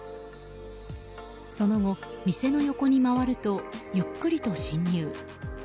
その後、店の横に回るとゆっくりと侵入。